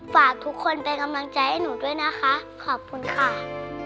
ฝากทุกคนเป็นกำลังใจให้หนูด้วยนะคะขอบคุณค่ะ